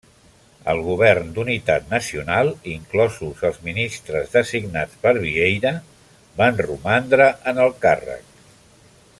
El Govern d'Unitat Nacional, inclosos els ministres designats per Vieira, van romandre en el càrrec.